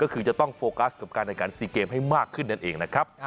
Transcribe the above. ก็คือจะต้องโฟกัสกับการแข่งขัน๔เกมให้มากขึ้นนั่นเองนะครับ